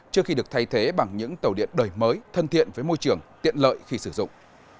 trước khi được thay thế bằng những tàu điện đời mới thân thiện với môi trường tiện lợi khi sử dụng